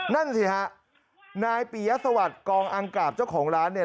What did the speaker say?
นั่นสิฮะนายปียสวัสดิ์กองอังกราบเจ้าของร้านเนี่ย